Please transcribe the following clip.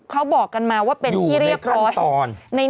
เขาบอกกันมาว่าเป็นที่เรียบร้อย